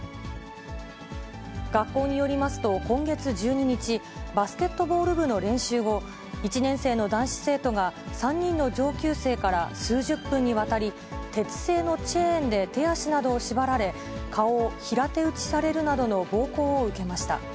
学校によりますと、今月１２日、バスケットボール部の練習後、１年生の男子生徒が、３人の上級生から数十分にわたり、鉄製のチェーンで手足などを縛られ、顔を平手打ちされるなどの暴行を受けました。